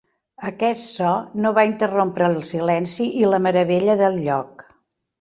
Aquest so no va interrompre el silenci i la meravella del lloc.